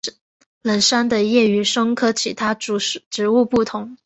冷杉的叶与松科其他属植物不同。